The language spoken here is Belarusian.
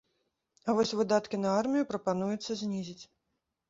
А вось выдаткі на армію прапануецца знізіць.